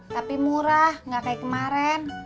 tapi murah gak kayak kemarin